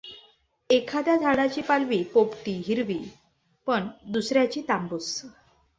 एखाद्या झाडाची पालवी पोपटी हिरवी पण दुसर् याची तांबूस?